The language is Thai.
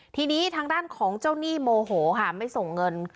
ทีนี้ทางด้านของเจ้าหนี้โมโหค่ะไม่ส่งเงิน